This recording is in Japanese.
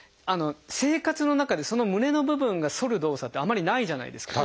生活の中でその胸の部分が反る動作ってあまりないじゃないですか。